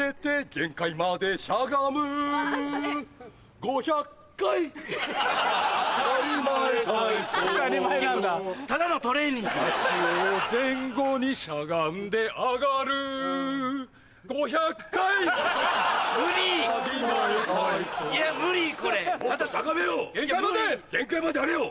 限界までやれよ！